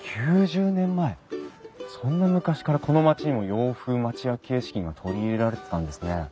そんな昔からこの町にも洋風町屋形式が取り入れられてたんですね。